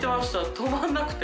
止まらなくて。